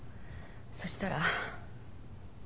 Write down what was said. そしたら。